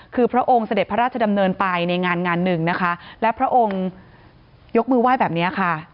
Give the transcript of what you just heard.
คือพระองค์เสด็จพระราชดำเนินไปในงานงานหนึ่งนะคะและพระองค์ยกมือไหว้แบบนี้ค่ะ